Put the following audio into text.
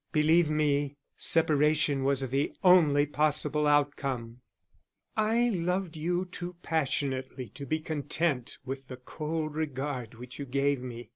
_ _Believe me, separation was the only possible outcome. I loved you too passionately to be content with the cold regard which you gave me.